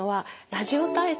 ラジオ体操？